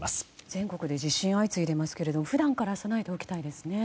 全国で地震が相次いでいますけれども普段から備えておきたいですね。